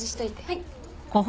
はい。